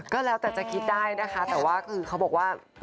ก็แล้วแต่จะคิดได้นะคะแต่ว่าคือเขาบอกว่า